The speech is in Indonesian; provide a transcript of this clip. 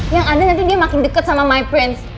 yang ada nanti dia makin dekat sama my prince